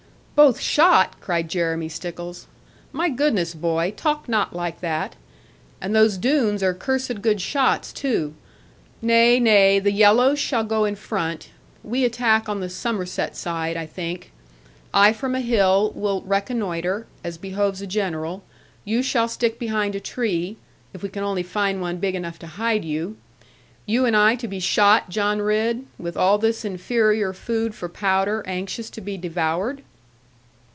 'Both shot!' cried Jeremy Stickles: 'my goodness, boy, talk not like that! And those Doones are cursed good shots too. Nay, nay, the yellows shall go in front; we attack on the Somerset side, I think. I from a hill will reconnoitre, as behoves a general, you shall stick behind a tree, if we can only find one big enough to hide you. You and I to be shot, John Ridd, with all this inferior food for powder anxious to be devoured?'